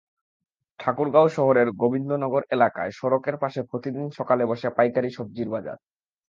ঠাকুরগাঁও শহরের গোবিন্দনগর এলাকায় সড়কের পাশে প্রতিদিন সকালে বসে পাইকারি সবজির বাজার।